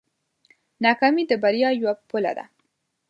ناکامي د بریا یوه پله ده.